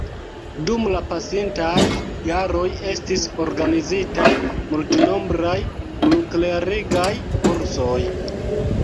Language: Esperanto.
Dum la pasintaj jaroj estis organizitaj multnombraj pluklerigaj kursoj.